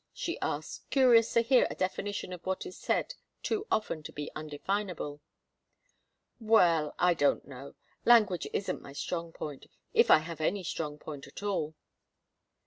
she asked, curious to hear a definition of what is said too often to be undefinable. "Well I don't know. Language isn't my strong point, if I have any strong point at all."